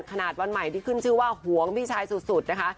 ขนาดวันใหม่ที่ขึ้นชื่อว่าหวงพี่ชายสุดนะคะ